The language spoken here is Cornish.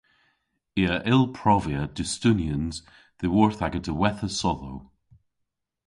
I a yll provia dustunians dhyworth aga diwettha sodhow.